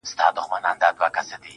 د زړه رگونه مي د باد په هديره كي پراته~